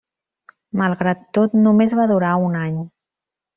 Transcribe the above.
Malgrat tot, només va durar un any.